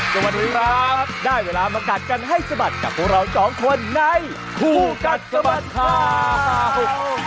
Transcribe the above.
สวัสดีครับได้เวลามากัดกันให้สะบัดกับพวกเราสองคนในคู่กัดสะบัดข่าว